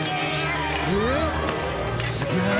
すげえ。